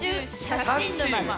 写真！